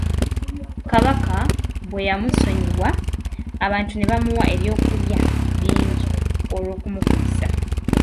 Kabaka bwe yamusonyiwa, abantu ne bamuwa ebyokulya bingi olw’okumukulisa.